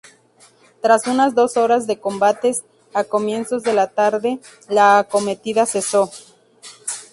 Tras unas dos horas de combates, a comienzos de la tarde, la acometida cesó.